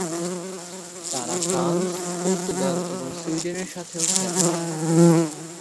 তারা France, Portugal, এবং Sweden সাথেও খেল।